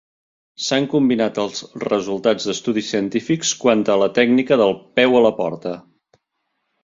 S'han combinat els resultats d'estudis científics quant a la tècnica del "peu a la porta".